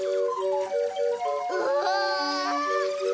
うわ。